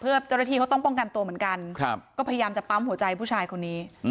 เพื่อเจ้าหน้าที่เขาต้องป้องกันตัวเหมือนกันก็พยายามจะปั๊มหัวใจผู้ชายคนนี้